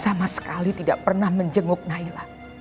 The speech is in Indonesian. sama sekali tidak pernah menjenguk naila